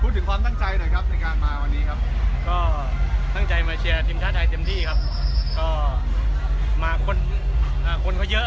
ถึงความตั้งใจหน่อยครับในการมาวันนี้ครับก็ตั้งใจมาเชียร์ทีมชาติไทยเต็มที่ครับก็มาคนเขาเยอะ